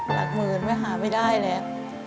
หลักหมื่นไม่หาไม่ได้แล้ว